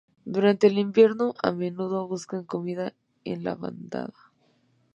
Durante el invierno, a menudo buscan comida en bandada.